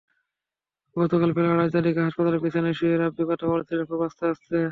গতকাল বেলা আড়াইটার দিকে হাসপাতালের বিছানায় শুয়ে রাব্বী কথা বলছিলেন খুব আস্তে আস্তে।